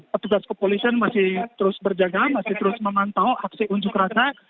petugas kepolisian masih terus berjaga masih terus memantau aksi unjuk rasa